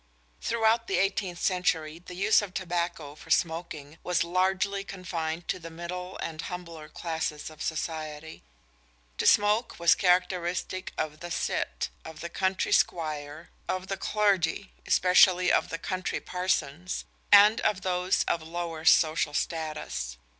Throughout the eighteenth century the use of tobacco for smoking was largely confined to the middle and humbler classes of society. To smoke was characteristic of the "cit," of the country squire, of the clergy (especially of the country parsons), and of those of lower social status.